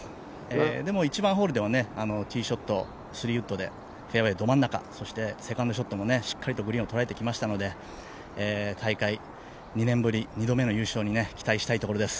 でも１番ホールではティーショット、３ウッドでフェアウエーど真ん中セカンドショットもしっかりとグリーンを捉えてきましたので大会、２年ぶり２度目の優勝に期待したいところです。